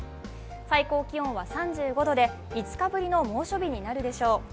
最高気温は３５度で５日ぶりの猛暑日となるでしょう。